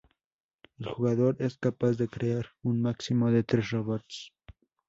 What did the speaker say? El jugador es capaz de crear un máximo de tres robots.